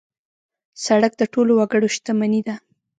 سړک د ټولو وګړو شتمني ده.